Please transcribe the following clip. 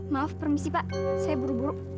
maaf permisi pak saya buru buru